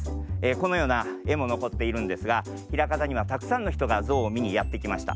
このようなえものこっているんですがひらかたにはたくさんのひとがゾウをみにやってきました。